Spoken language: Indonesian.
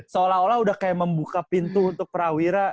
seolah olah udah kayak membuka pintu untuk prawira